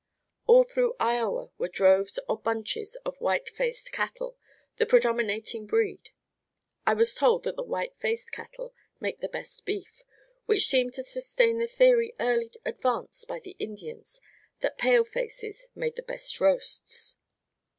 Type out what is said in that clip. All through Iowa were droves or bunches of white faced cattle, the predominating breed. I was told that the white faced cattle make the best beef, which seemed to sustain the theory early advanced by the Indians, that pale faces made the best roasts.